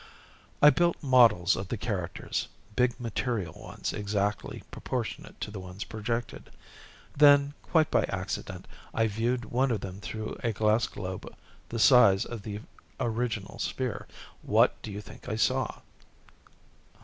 "I built models of the characters. Big material ones, exactly proportionate to the ones projected. Then quite by accident I viewed one of them through a glass globe the size of the original sphere. What do you think I saw?"